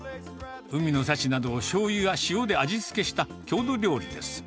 海の幸などをしょうゆや塩で味付けした郷土料理です。